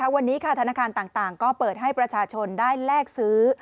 วันนี้ธนาคารต่างก็เปิดให้ประชาชนได้แลกซื้อ